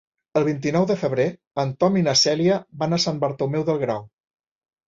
El vint-i-nou de febrer en Tom i na Cèlia van a Sant Bartomeu del Grau.